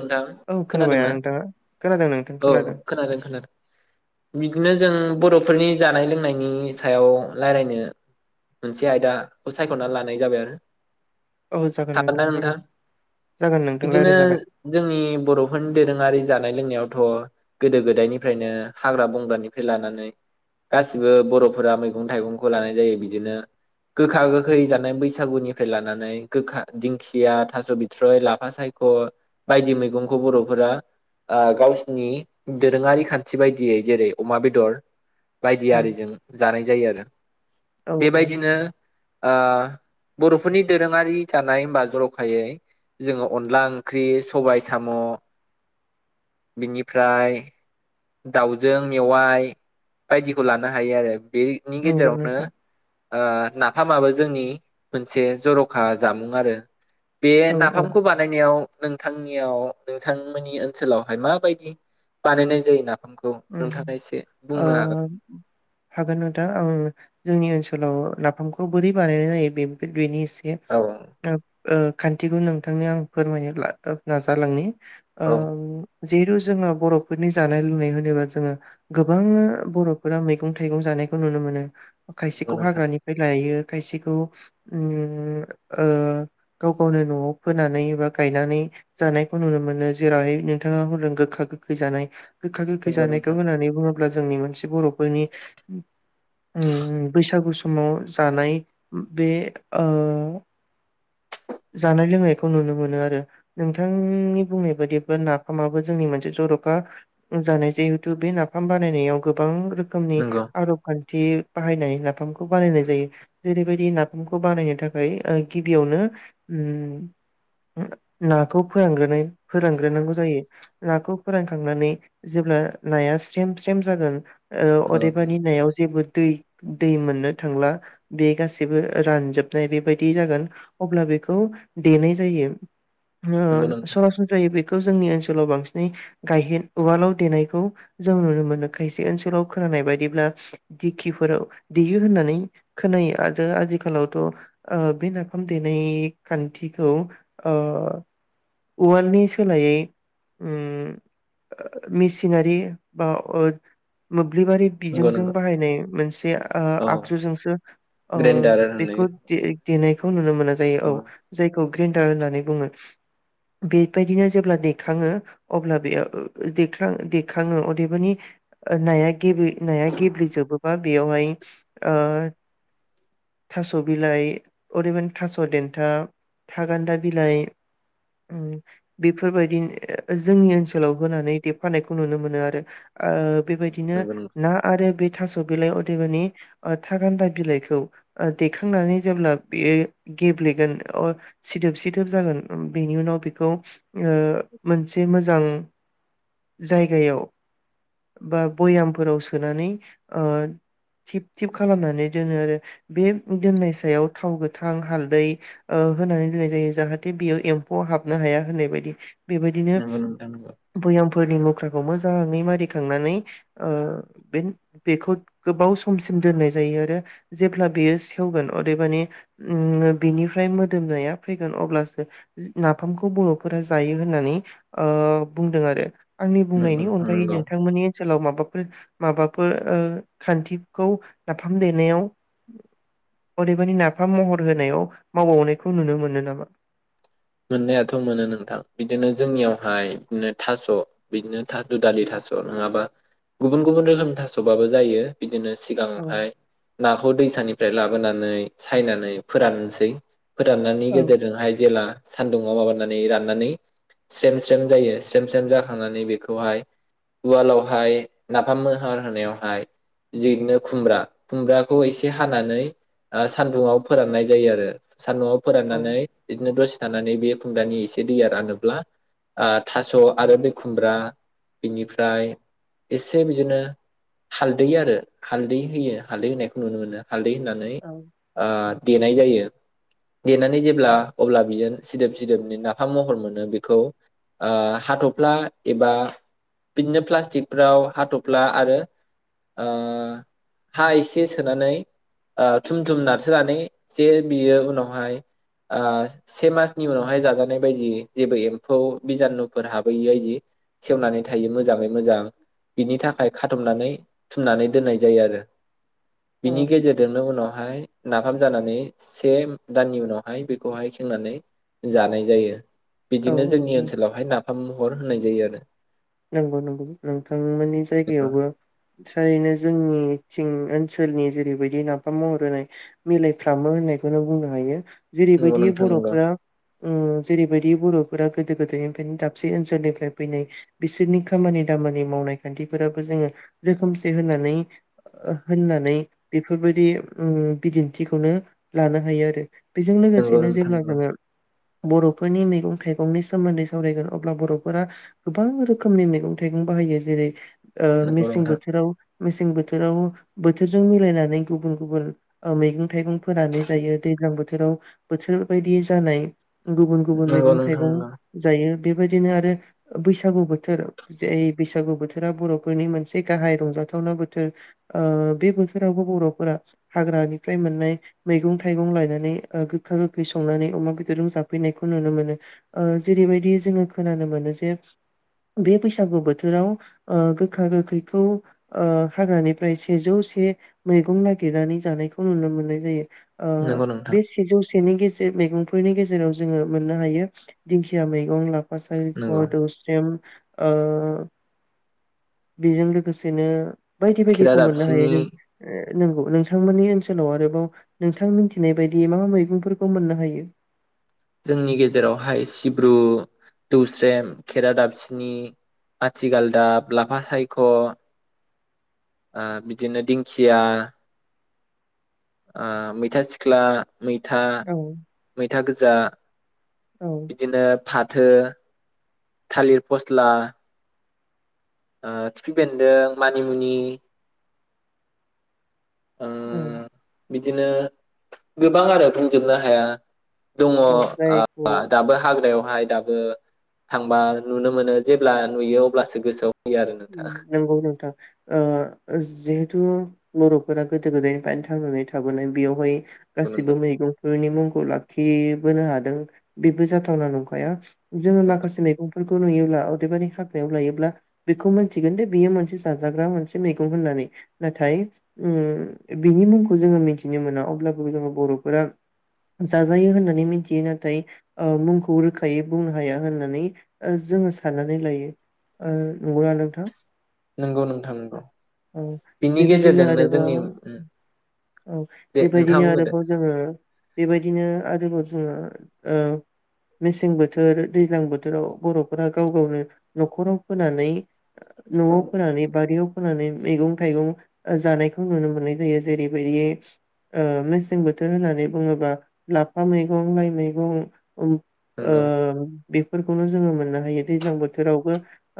नोंथां औ खोनाबाय खोनादोंना नोंथाङा खोनादों नोंथां औ खोनादों खोनादों बिदिनो जों बर' फोरनि जानाय लोंनायनि सायाव लायरायनो मोनसे आयदाखौ सायखनानै लानाय जाबाय आरो औ जागोन हागोन ना नोंथां जागोन जागोन नोंथां लायराय जागोन। नि बर'फोरनि दोरोङारि जानाय लोंनायावथ' गोदो गोदायनिफ्रायनो हाग्रा बंग्रानिफ्राय लानानै गासिबो बर'फोरा मैगं-थाइगंखौ लानाय जायो बिदिनो गोखा गोखै जानाय बैसागुनिफ्राय लानानै गोखा दिंखिया, थास बिथ्रय, लाफा सायख बायदि मैगंखौ बर'फोरा ओ गावसिनि दोरोङारि खान्थि बायदियै जेरै अमा बेदर बायदि उम आरिजों जानाय जायो आरो औ औ बेबायदिनो ओ बर'फोरनि दोरोङारि जानाय होमबा जरखायै जोङो अनला ओंख्रि सबाय, साम बिनिफ्राय दाउजों मेवाइ बायदिखौ लानो हायो आरो बेनि नंगौ गेजेरावनो नोंथां ओ नाफामाबो जोंनि मोनसे जरखा जामुं आरो बे औ औ नाफामखौ बानायनायाव नोंथांनियाव नोंथांमोननि ओनसोलावहाय माबायदि बानायनाय जायो? नाफामखौ उम नोंथाङा एसे ओ बुंनो हागोन हागोन नोंथां आं जोंनि ओनसोलाव नाफामखौ बोरै बानायनाय जायो बे-बेनि इसे औ [unintelligible] ओ खान्थिखौ नोंथांनो आं फोरमायनो ला नाजालांनि। औ ओम। जिरु जोङो बर'फोरनि जानाय लुनाय होन नेबा जोङो गोबां बर'फोरा मैगं-थाइगं जानायखौ नुनो मोनो। नंगौ खायसेखौ नोंथां हाग्रानिफ्राय लायो। खायसेखौ उम ओ गाव गावनो न'आव फोनानै एबा गायनानै जानायखौ नुनो मोनो जेरावहाय नोंथाङा होन्दों गोखा गोखै जानाय गो नंगौ जानायखौ नोंथां होनानै बुङो अब्ला जोंनि मोनसे बर'फोरनि उम बैसागु माव जानाय बे ओ जानाय लोंनायखौ नुनो मोनो आरो नोंथांनि बुंनाय बायदिबो नाफामाबो जोंनि मोनसे जर'खा जानाय जिहेतु बे नाफाम बानायनायाव गोबां रो खोमनि नंगौ [unintelligible] खि बाहायनाय नाफामखौ बानायनाय जायो जेरैबायदि नाफामखौ बानायनो थाखाय ओ गिबियावनो ओम नाखौ फोरानग्रोनाय फोरानग्रोनांगौ जायो नाखौ फोरानखांनानै जेब्ला नाया स्रेम स्रेम जागोन अदेबानि नायाव जेबो दै दै मोननो थांला बे गासैबो रानजोबनाय बेबायदि जागोन अब्ला बेखौ देनाय जायो ओ नंगौ नोंथां सरासनस्रायै बे खौ जोंनि ओनसोलाव बांसिनै गायहेन उवालाव देनाय खौ जों नुनो मोनो खायसे ओनसोलाव खोनानाय बायदिब्ला दिखिफोराव देयो होननानै खोनायो आरो आथिखालावथ' ओ बे नाफाम देनाय खान्थिखौ ओ उवालनि सोलायै उम मेसिन [unintelligible] मोब्लिबारि नंगौ नोंथां नंगौ बिजोंजों बाहायनाय मोनसे ओ औ आगजुजोंसो ओ ग्रेन्डार होनो बेखौ दे देनाय खौनुनो मोनो जायो औ जायखौ ग्रिन्डार होननानै बुङो बेबायदिनो जेब्ला दैखाङो अब्ला बेयाव [unintelligible] देखाङो अदेबानि नाया गेब्ले नाया गेब्लेजोबोबा बेयावहाय ओ थास' बिलाइ अदेबानि थास' देन्था थागान्दा बिलाइ उम बेफोरबायदि जोंनि ओनसोलाव होनानै देफानायखौ नुनो मोनो आरो ओ बेबायदिनो नंगौ नंगौ ना आरो बे थास' बिलाइ अदेबानि ओ थागान्दा बिलाइखौ देखांनानै जेब्ला बेयो गेब्लेगोन ओ सिदोब सिदोब जागोन उम बेनि उनाव बेखौ ओ मोनसे मोजां जायगायाव बा भयामफोराव सोनानै ओ थिब थिब खालामनानै दोनो आरो बे दोननाय सायाव थाव गोथां हालदै ओ होनानै दोननाय जायो जाहाथे बेयाव एम्फौ हाबनो हाया होननाय बायदि बेबायदिनो नंगौ नोंथां नंगौ बैयाम फोरनि मुख्राखौ मोजाङै मारिखांनानै ओ बे बेखौ गोबाव समसिम दोननाय जायो आरो जेब्ला बेयो सेवगोन अदेबानि ओम बेनिफ्राय मोदोमनाया फैगोन अब्लासो नाफामखौ बर'फोरा जायो होननानै ओ बुंदों आरो आंनि नंगौ बुंनायनि नोंथां अनगायै नंगौ नोंथांमोननि ओनसोलाव माबाफोर माबाफोर ओ खान्थिखौ नाफाम देनायाव अदेबानि नाफाम महर होनायाव मावबावनायखौ नुनो मोनो नामा? मोननायाथ' मोनो नोंथां बिदिनो जोंनियावहाय नो थास' बिदिनो थातुदालि थास' नङाबा गुबुन गुबुन रोखोम थास'बाबो जायो बि बिदिनो औ सिगांहाय नाखौ दैसानि फ्राय लाबोनानै सायनानै फोरानसै फोराननानि औ गेजेरजोंहाय जेला सान्दुङाव माबानानै राननानै स्रेम स्रेम जायो स्रेम स्रेम जाखांनानै बेखौहाय उवालावहाय नाफाम मोहार होनायावहाय जिदिनो खुम्ब्रा खुम्ब्राखौ एसे हानानै ओ सान्दुंङाव फोराननाय जायो आरो सान्दुंआव औ फोराननानै बिदिनो दसे थानानै बे खुमब्रानि एसे दैया रानोब्ला आ थास' आरो बे खुम्ब्रा बिनिफ्राय एसे बिदिनो हालदै आरो हालदै होयो हालदै होनायखौ नुनो मोनो हालदै होननानै औ ओ देनाय जायो। देनानै जेब्ला अब्ला बेजों सिदोब सिदोबनि नाफाम महर मोनो बेखौ ओ हाथ'फ्ला एबा बिदिनो प्लास्टिकफ्राव हाथ'फ्ला आरो ओ हा एसे सोनानै थुम थुम नारसोनानै जे बियो उनावहाय से मास नि उनावहाय जाजानाय बायदि जेबो एम्फौ बिजानुफोर हाबहैयि बायदि सेवनानै थायो मोजाङै मोजां बिनि थाखाय खाथबनानै थुमनानै दोननाय जायो आरो। औ बिनि गेजेरजोंनो उनावहाय नाफाम जानानै से दाननि उनावहाय बेखौहाय खेंनानै जानाय जायो। औ बिदिनो औ जोंनि नंगौ ओनसोलावहाय नाफाम महर होननाय जायो आरो। नंगौ नंगौ नोंथांमोननि आरो जायगायावबो थारैनो जोंनिथिं ओ ओनसोलनि जेरैबायदि नाफाम महर होनाय मिलायफ्रामो होननायखौनो बुंनो हायो। नंगौ जेरैबायदि नोंथां नंगौ बर'फोरा ओं जेरैबायदि बर'फोरा गोदो गोदायनिफ्रायनो दाबसे ओनसोलनिफ्राय फैनाय बिसोरनि खामानि दामानि मावनाय खान्थिफोराबो जोङो रोखोमसे होननानै होननानै बेफोरबायदि बिदिन्थिखौनो लानो हायो आरो। बेजों नंगौ लोगोसेनो नोंथां जेब्ला नंगौ जोङो बर'फोरनि मैगं थाइगंनि सोमोन्दै सावरायगोन अब्ला बर'फोरा गोबां रोखोमनि मैगं थाइगं बाहायो जेरै ओ नंगौ मेसें नोंथां बोथोराव मेसें बोथोराव बोथोरजों मिलायनानै गुबुन गुबुन ओ मैगं थाइगं फोनानै जायो दैज्लां बोथोराव बोथोर बायदि जानाय गुबुन गुबुन नंगौ मैगं नोंथां थाइगं नंगौ जायो। बेबायदिनो आरो बैसागु बोथोर जे बैसागु बोथोरा बर'फोरनि मोनसे गाहाय रंजाथावना बोथोर ओ बे बोथोरावबो बर'फोरा हाग्रानिफ्राय मोननाय मैगं थाइगं लायनानै ओ गोखा गोखै संनानै अमा बेदरजों जाफैनायखौ नुनो मोनो ओ जेरैबायदि जोङो खोनानो मोनो जे बे बैसागु बोथोराव ओ गोखा गोखैखौ ओ हाग्रानिफ्राय सेजौ से मैगं नागिरनानै जानायखौ नुनो मोननाय जायो। ओ नंगौ नोंथां बे सेजौ से बेनि गेजे मैगंफोरनि गेजेराव जोङो मोननो हायो दिंखिया मैगं ला [unintelligible] [unintelligible] ओ नंगौ बेजों लोगोसेनो बायदि बायदिखौ मोननो हायो खेरादाबसिनि [unintelligible] नोंगौ नोंथांमोननि ओनसोलाव आरोबाव नोंथां मिथिनाय बायदि मा मैगंफोरखौ मोननो हायो। जोंनि गेजेरावहाय सिब्रु, दौस्रेम, खेरा, दाबफिनि आथिगालदाब लाफा सायख'ओ बिदिनो दिंखिया ओ मैथा सिख्ला मैथा औ मै था गोजा औ बिदिनो फाद थो थालिर फस्ला ओ खिफि बेन्दों मानिमुनि ओ औ बिदिनो गोबां आरो बुंजोबनो हाया दङ औ जायखौ [unintelligible] दाबो हाग्रायावहाय दाबो थांबा नुनो मोनो जेब्ला नुयो अब्लासो गोसोआव फैयो आरो नोंथां उम नंगौ नोंथां ओ जिहेथु बर'फोरा गोदो गोदायनिफ्रायनो थांनानै थाबोनाय बेयावहाय नंगौ गासिबो मैगं बिनि मुंखौ लाखिबोनो हादों बेबो जाथावना नंखाया जोङो नंगौ माखासे मैगं फोरखौ नुयोब्ला अदेबानि हाग्रायाव लायोब्ला बेखौ मिथिगोन दे बेयो मोनसे जाजाग्रा मोनसे मैगं होननानै नाथाय ओ बिनि मुंखौ जोङो मिथिनो मोना अब्लाबो जोङो बर'फोरा जाजायो होननानै मिथियो नाथाय ओ मुंखौ रोखायै बुंनो हाया होननानै ओ जोङो साननानै लायो ओ नगौना नोंथां? नंगौ नोंथां नंगौ औ बिनि बेबायदिनो गेजेरजोंनो आरोबाव जोंनि उम औ दे नोंथाङा बेबायदिनो बुंग्रोदो आरोबाव जोङो बेबायदिनो आरोबाव जो ओ मेसें बोथोर दैज्लां बोथोराव बर'फोरा गाव गावनो नखराव फोनानै न'आव फोनानै बारियाव फोनानै मैगं थाइगं जानायखौ नुनो मोननाय जायो जेरैबायदि ओ‌ मेसें बोथोर होननानै बुङोबा लाफा मैगं लाइ मैगं औ ओ नंगौ बेफोरखौनो जोङो मोननो हायो दैलां बोथोरावबो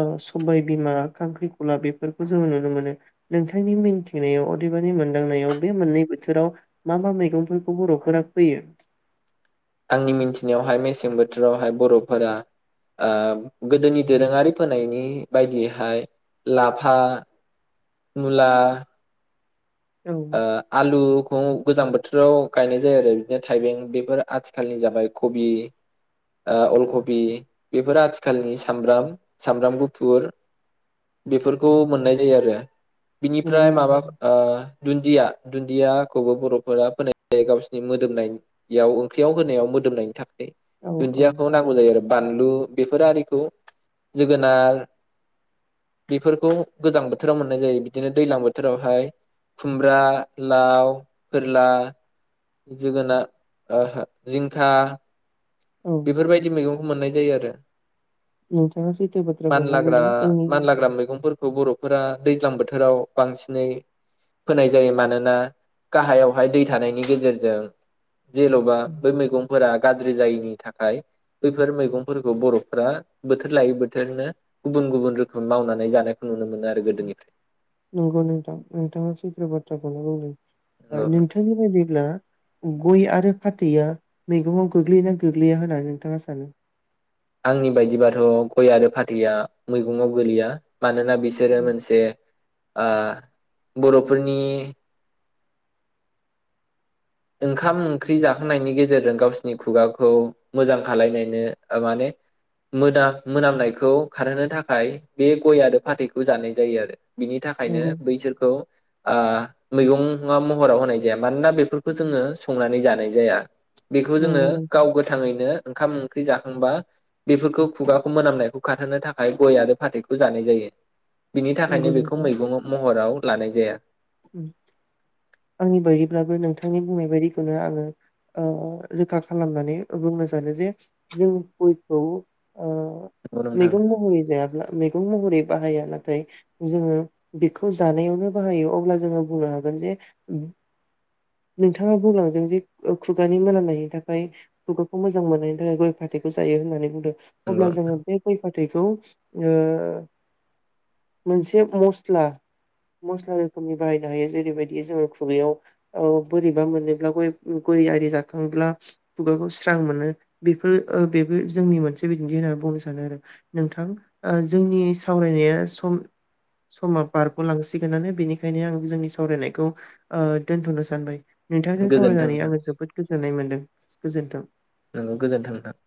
ओ सबाय बिमा खांख्रिखला बेफोरखौ जोङो नुनो मोनो नोंथांनि मिन्थिनायाव अदेबानि मोनदांनायाव बे मोननै बोथोराव मा मा मैगंफोरखौ बर'फोरा फोयो? आंनि मिथिनायावहाय मेसें बोथोरावहाय बर'फोरा ओ गोदोनि दोरोङारि फोनायनि बायदियैहाय लाफा मुला औ ओ आलु गोजां बोथोराव गायनाय जाया आरो बिदिनो थाइबें बेफोर आथिखालनि जाबाय कबि ओ अल कबि बेफोर आथिखालनि सामब्राम सामब्राम गुफुर बेफोरखौ मोननाय जायो आरो। बिनिफ्राय नंगौ माबा नंगौ ओ दुन्दिया दुन्दियाखौबो बर'फोरा फोननाय जायो गावस्रोनि मोदोमनायाव ओंख्रियाव होनायाव मोदोमनायनि थाखाय औ औ दुन्दियाखौ नांगौ जायो आरो। बानलु बेफोर आरिखौ जोगोनार बेफोरखौ गोजां बोथोराव मोननाय जायो बिदिनो दैलां बोथोरावहाय खुमब्रा लाव फोरला जोगोनार ओहो जिंखा औ बेफोरबायदि मैगं मोननाय जायो आरो। नोंथाङा सैथो बाथ्राखौनो मानलाग्रा बुंदों जोंनि मानलाग्रा मैगंफोरखौ बर'फोरा दैज्लां बोथोराव बांसिनै फोनाय जायो मानोना गाहायावहाय दै थानायनि गेजेरजों जेनबा बै मैगंफोरा गाज्रि जायैनि थाखाय थाखाय बैफोर मैगंफोरखौ बर'फोरा बोथोर लायै बोथोरनो गुबुन गुबुन रोखोम मावनानै जानायखौ नुनो मोनो आरो गोदोनिफ्राय। नंगौ नोंथां नोंथाङा सैथो बाथ्राखौनो बुंदों। ओ नंगौ नोंथां। नोंथांनि बायदिब्ला गय आरो फाथैया मैगंआव गोग्लैयोना गोग्लैया होननानै नोंथाङा सानो? आंनि बायदिबाथ गय आरो फाथैआ मैगंआव गोलैया मानोना बिसोरो मोनसे ओ बर'फोरनि ओंखाम ओंख्रि जाखांनायनि गेजेरजों गावसिनि खुगाखौ मोजां खालायनायनो ओ माने मोदा मोनामनायखौ खारहोनो थाखाय बे गय आरो फाथैखौ जानाय जायो आरो। बिनि थाखायनो नंगौ बैसोरखौ ओ मैगंआ महराव होनाय जाया मानोना बेफोर खौ जोङो संनानै जानाय जाया। बेखौ जोङो नंगौ नोंथां गाव गोथाङैनो ओंखाम ओंख्रि जाखांबा बेफोरखौ खुगाखौ मोनामनायखौ खारहोनो थाखाय गय आरो फाथैखौ जानाय जायो। बिनि थाखायनो नंगौ बेखौ नोंथां मैगं महराव लानाय जाया उम आंनि बायदिब्लाबो नोंथांनि बुंनाय बायदिखौनो आङो ओ रोखा खालामनानै बुंनो सानो जे जों गयखौ ओ नंगौ नोंथां मैगं महरै जायाब्ला मैगं महरै बाहाया नाथाय जोङो बेखौ जानायावनो बाहायो अब्ला जोङो बुंनो हागोन जे [inaudible] नोंथाङा बुंलांदों जे खुगानि मोनामनायनि थाखाय खुगाखौ मोजां मोननायनि थाखाय गय फाथैखौ जायो होननानै बुंदों नंगौ अब्ला नोंथां। जोङो बे गय फा थैखौ ओ मोनसे मस्ला मस्ला रो [unintelligible] बाहायनो हायो जेरैबायदि जोङो खुगायाव औ बोरैबा मोनोब्ला गय गय आरि जाखांब्ला खुगाखौ स्रां मोनो बेफोर ओ बेबो जोंनि मोनसे बिदिन्थि होननानै बुंनो सानो आरो नोंथां जोंनि सावरायनाया सम समा बारगलांसिगोनानो बेनि खायनो आं जोंनि सावरायनायखौ ओ दोन्थनो सानबाय। नोंथांजों गोजोन्थों सावरायनानै नोंथां आङो जोबोद गोजो नाय मोन्दों गोजोन्थों। नोंगौ गोजोन्थों नोंथां